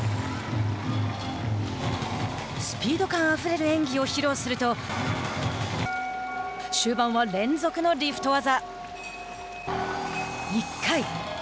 スピード感あふれる演技を披露すると終盤は連続のリフト技。